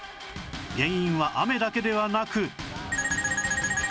原因は雨だけではなく